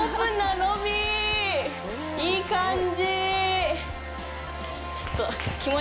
いい感じ。